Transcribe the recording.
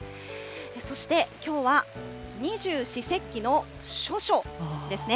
そして、きょうは二十四節気の処暑ですね。